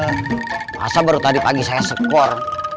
masa baru tadi pagi saya skor